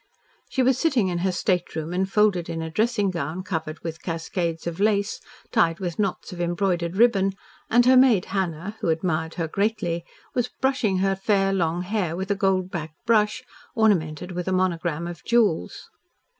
She was sitting in her stateroom enfolded in a dressing gown covered with cascades of lace, tied with knots of embroidered ribbon, and her maid, Hannah, who admired her greatly, was brushing her fair long hair with a gold backed brush, ornamented with a monogram of jewels.